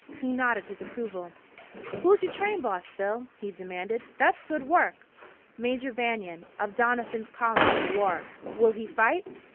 He nodded his approval. "Who's yer train boss, Bill?" he demanded. "That's good work." "Major Banion, of Doniphan's column in the war." "Will he fight?"